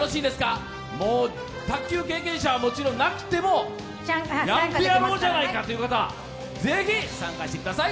卓球経験者はもちろんなくてもやってやろうじゃないかという方ぜひ参加してください。